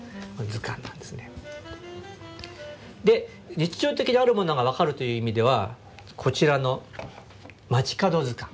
日常的にあるものが分かるという意味ではこちらの「街角図鑑」。